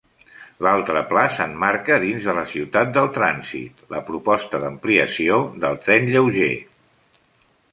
L'altre pla s'emmarca dins de la ciutat del Transit, la proposta d'ampliació del tren lleuger.